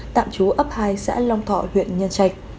tạm trú ấp hai xã long thọ huyện nhân trạch